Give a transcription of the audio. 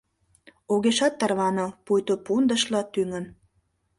Огешат тарваныл, пуйто пундышла тӱҥын.